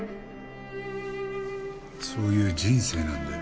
そういう人生なんで。